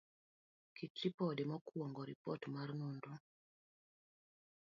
kit ripode. mokuongo, Ripot mar nonro